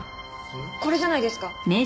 これじゃないですか？